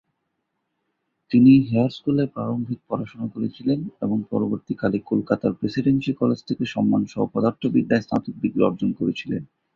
তিনি হেয়ার স্কুলে প্রারম্ভিক পড়াশোনা করেছিলেন এবং পরবর্তীকালে কলকাতার প্রেসিডেন্সি কলেজ থেকে সম্মান সহ পদার্থবিদ্যায় স্নাতক ডিগ্রি অর্জন করেছিলেন।